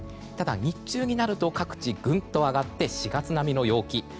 ただ日中になると各地ぐんと上がって４月並みの陽気。